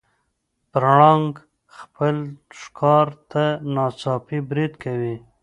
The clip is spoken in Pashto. پړانګ خپل ښکار ته ناڅاپي برید کوي.